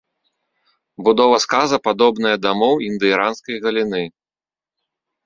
Будова сказа падобная да моў індаіранскай галіны.